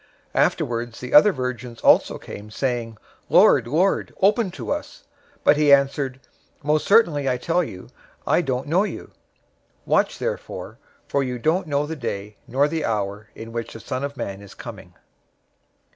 025:011 Afterward the other virgins also came, saying, 'Lord, Lord, open to us.' 025:012 But he answered, 'Most certainly I tell you, I don't know you.' 025:013 Watch therefore, for you don't know the day nor the hour in which the Son of Man is coming.